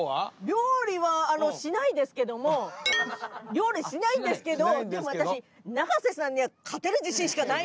料理はしないですけども料理しないんですけどでも私永瀬さんには勝てる自信しかないので。